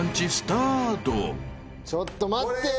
ちょっと待ってよ。